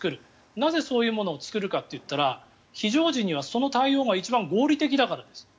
なぜ、そういうものを作るかっていったら非常時にはそういう対応が一番合理的だからです。